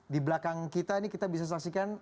di belakang kita ini kita bisa saksikan